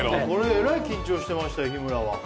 えらい緊張してましたよ、日村は。